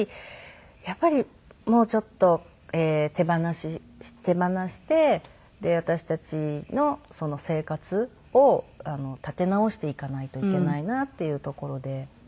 やっぱりもうちょっと手放して私たちの生活を立て直していかないといけないなっていうところで。